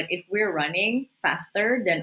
jika kami berjalan dengan lebih cepat